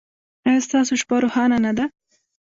ایا ستاسو شپه روښانه نه ده؟